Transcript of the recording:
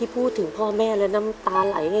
ที่ได้เงินเพื่อจะเก็บเงินมาสร้างบ้านให้ดีกว่า